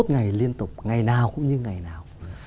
hai mươi một ngày liên tục ngày nào cũng như ngày nào